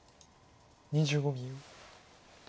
２５秒。